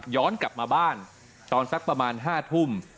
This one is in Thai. กลับมาบ้านตอนสักประมาณ๕ทุ่ม